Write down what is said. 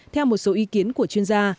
theo một số ý kiến của chuyên gia